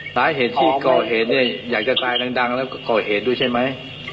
สถานที่ก่อเหตุเนี่ยอยากจะก่อเหตุด้วยใช่ไหม